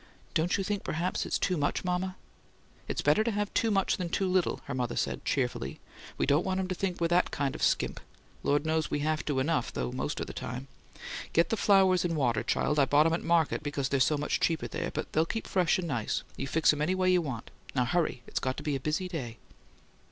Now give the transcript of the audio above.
"Don't you think perhaps it's too much, mama?" "It's better to have too much than too little," her mother said, cheerfully. "We don't want him to think we're the kind that skimp. Lord knows we have to enough, though, most of the time! Get the flowers in water, child. I bought 'em at market because they're so much cheaper there, but they'll keep fresh and nice. You fix 'em any way you want. Hurry! It's got to be a busy day."